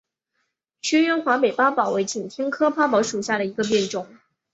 全缘华北八宝为景天科八宝属下的一个变种。